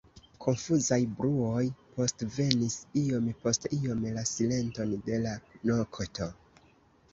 Konfuzaj bruoj postvenis iom post iom la silenton de la nokto.